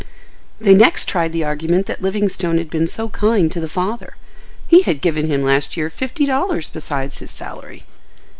They next tried the argument that Livingstone had been so kind to the father. He had "given him last year fifty dollars besides his salary."